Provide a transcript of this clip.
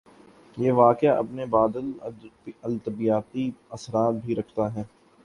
یہ واقعہ اپنے ما بعدالطبیعاتی اثرات بھی رکھتا ہے۔